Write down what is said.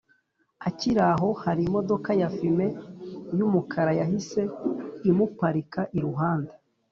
akiraho harimodoka ya fume y’umukara yahise imuparika iruhande